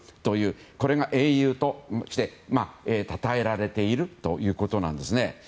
これが英雄としてたたえられているということです。